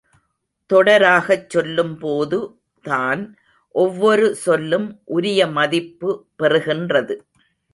தொடராகச் சொல்லும் போது தான் ஒவ்வொரு சொல்லும் உரிய மதிப்பு பெறுகின்றது.